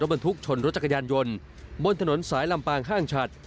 บรรทุกชนรถจักรยานยนต์บนถนนสายลำปางห้างฉัด